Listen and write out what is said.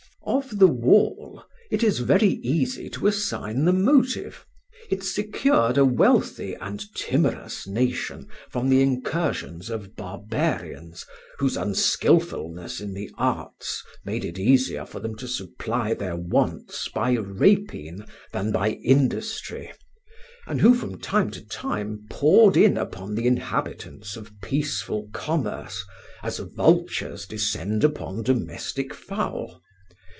"Of the wall it is very easy to assign the motive. It secured a wealthy and timorous nation from the incursions of barbarians, whose unskilfulness in the arts made it easier for them to supply their wants by rapine than by industry, and who from time to time poured in upon the inhabitants of peaceful commerce as vultures descend upon domestic fowl.